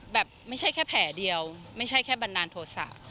แบบไม่ใช่แค่แผลเดียวไม่ใช่แค่บันดาลโทษะ